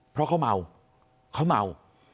เพราะเขาเมาเขาเมา